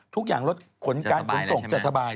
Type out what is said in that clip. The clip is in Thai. ทุกอย่างรถขนการขนส่งจะสบาย